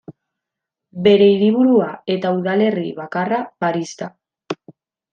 Bere hiriburua eta udalerri bakarra Paris da.